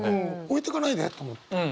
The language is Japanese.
置いてかないでと思った。